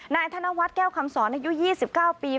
นายธนวัฒน์แก้วคำสอนอายุ๒๙ปี